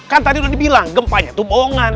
kan tadi udah dibilang gempanya itu bohongan